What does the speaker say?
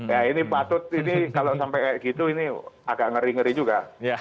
ya ini patut ini kalau sampai kayak gitu ini agak ngeri ngeri juga